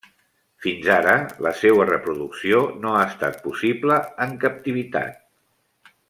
Fins ara, la seua reproducció no ha estat possible en captivitat.